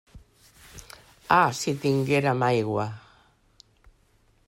Ah, si tinguérem aigua!